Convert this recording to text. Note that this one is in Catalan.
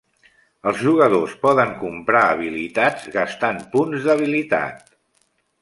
Els jugadors poden comprar habilitats gastant punts d'habilitat.